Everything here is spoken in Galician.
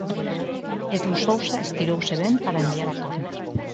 Edu Sousa estirouse ben para enviar a córner.